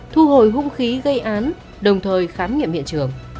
thu hồi hung khí gây án đồng thời khám nghiệm hiện trường